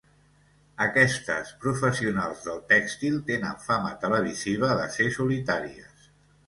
Aquestes professionals del tèxtil tenen fama televisiva de ser solitàries.